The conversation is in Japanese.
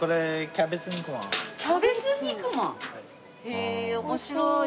へえ面白い。